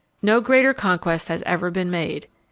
No greater conquest has ever been made.